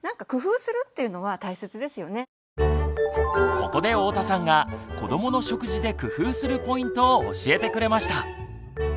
ここで太田さんが「子どもの食事で工夫するポイント」を教えてくれました。